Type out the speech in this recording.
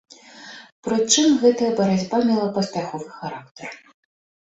Прычым, гэтая барацьба мела паспяховы характар.